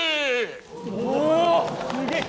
おすげえ！